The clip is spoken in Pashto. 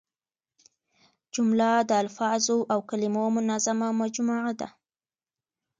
جمله د الفاظو او کلیمو منظمه مجموعه ده.